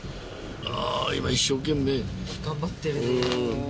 あぁ今一生懸命。頑張ってるね。